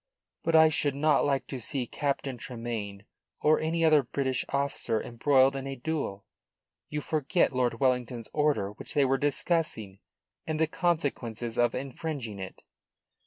"But I should not like to see Captain Tremayne or any other British officer embroiled in a duel. You forget Lord Wellington's order which they were discussing, and the consequences of infringing it."